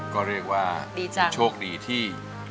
ก็เรียกว่าโชคดีที่